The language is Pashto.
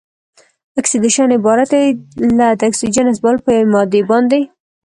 اکسیدیشن عبارت دی له د اکسیجن نصبول په یوې مادې باندې.